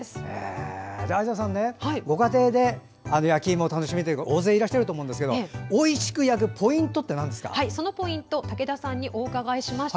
ご家庭で焼きいもを楽しむという方大勢いらっしゃると思うんですがおいしく焼くポイントって武田さんにお伺いしました。